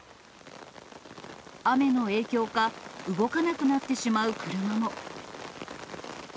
雨の影響か、動かなくなってしまう車も。